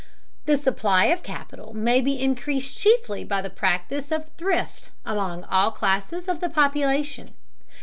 The supply of capital may be increased chiefly by the practice of thrift among all classes of the population.